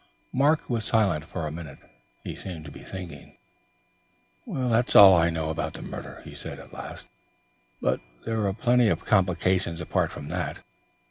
Mark was silent for a minute. He seemed to be thinking. "That's all I know about the murder," he said at last, "but there are plenty of complications apart from that.